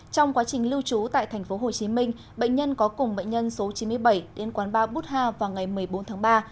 trong quá trình lưu trú tại tp hcm bệnh nhân có cùng bệnh nhân số chín mươi bảy đến quán ba butha vào ngày một mươi bốn tháng ba